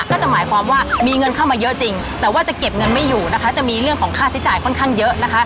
ก็จะหมายความว่ามีเงินเข้ามาเยอะจริงแต่ว่าจะเก็บเงินไม่อยู่นะคะจะมีเรื่องของค่าใช้จ่ายค่อนข้างเยอะนะคะ